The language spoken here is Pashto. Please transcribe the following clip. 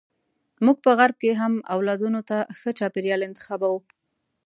موږ په غرب کې هم اولادونو ته ښه چاپیریال انتخابوو.